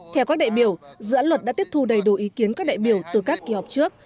theo các đại biểu dự án luật đã tiếp thu đầy đủ ý kiến các đại biểu từ các kỳ họp trước